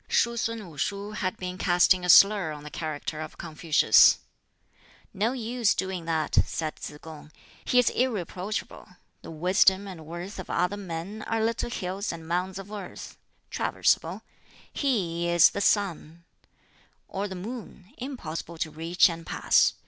Shuh sun Wu shuh had been casting a slur on the character of Confucius. "No use doing that," said Tsz kung; "he is irreproachable. The wisdom and worth of other men are little hills and mounds of earth: traversible. He is the sun, or the moon, impossible to reach and pass.